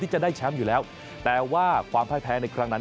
จะได้แชมป์อยู่แล้วแต่ว่าความพ่ายแพ้ในครั้งนั้น